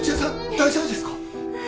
大丈夫ですか？